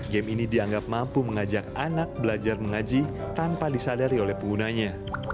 game ini dianggap mampu mengajak anak belajar mengaji tanpa disadari oleh penggunanya